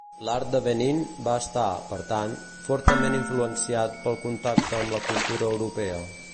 L'art de Benín va estar, per tant, fortament influenciat pel contacte amb la cultura europea.